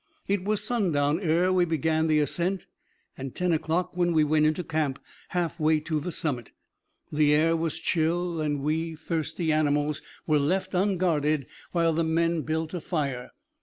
It was sundown ere we began the ascent, and ten o'clock when we went into camp half way to the summit. The air was chill, and we thirsty animals were left unguarded while the men built a fire.